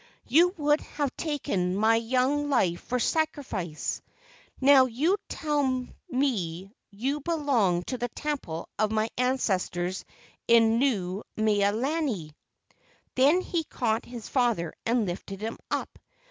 You would have taken my young life for sacrifice. Now you tell me you belong to the temple of my ancestors in Nuu mea lani." Then he caught his father and lifted him up.